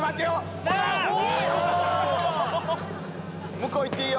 向こう行っていいよ！